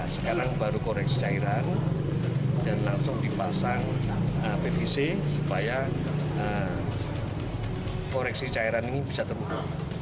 sekarang baru koreksi cairan dan langsung dipasang bpc supaya koreksi cairan ini bisa terbuka